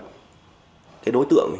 vũ là cái đối tượng